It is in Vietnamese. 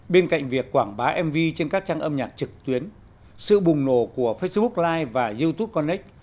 bên cạnh việc quảng bá mv trên các trang âm nhạc trực tuyến sự bùng nổ của facebook life và youtube connec